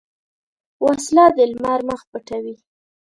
وسله د لمر مخ پټوي